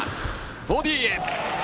ボディーへ。